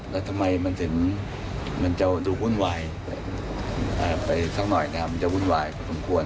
แล้วทำไมมันจะรู้วุ่นวายไปทั้งหน่อยนะมันจะวุ่นวายเพลิงควร